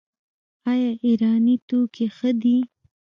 آیا ایراني توکي ښه دي؟